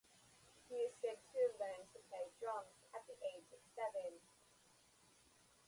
He is said to have learned to play drums at the age of seven.